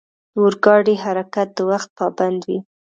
د اورګاډي حرکت د وخت پابند وي.